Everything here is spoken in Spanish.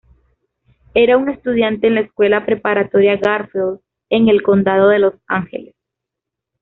Era un estudiante en la Escuela Preparatoria Garfield en el Condado de Los Ángeles.